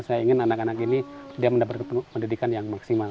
saya ingin anak anak ini dia mendapatkan pendidikan yang maksimal